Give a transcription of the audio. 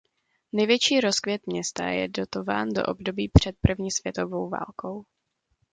Největší rozkvět města je datován do období před první světovou válkou.